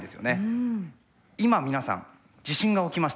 今皆さん地震が起きました。